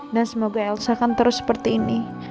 dan semoga elsa akan terus seperti ini